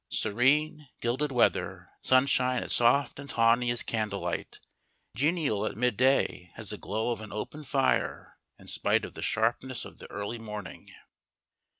Serene, gilded weather; sunshine as soft and tawny as candlelight, genial at midday as the glow of an open fire in spite of the sharpness of the early morning.